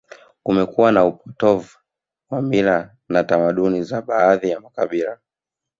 Kumekuwa na upotovu wa mila na tamaduni za baadhi ya makabila